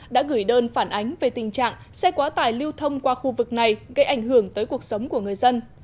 đã gửi đơn phản ánh về tình trạng xe quá tải lưu thông qua khu vực này gây ảnh hưởng tới cuộc sống của người dân